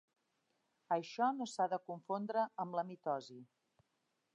Això no s'ha de confondre amb la mitosi.